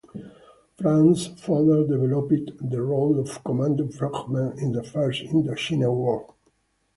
France further developed the role of commando frogmen in the First Indochina War.